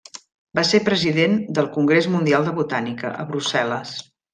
Va ser president del Congrés Mundial de Botànica, a Brussel·les.